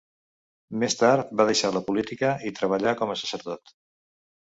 Més tard, va deixar la política i treballà com a sacerdot.